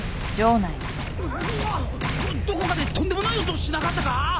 うわっどこかでとんでもない音しなかったか？